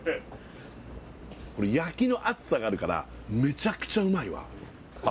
これ焼きの熱さがあるからめちゃくちゃうまいわああ